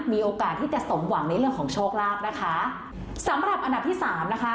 มีโอกาสที่จะสมหวังในเรื่องของโชคลาภนะคะสำหรับอันดับที่สามนะคะ